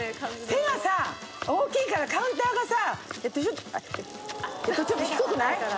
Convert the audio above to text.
背がさ大きいからカウンターがさちょっと低くない？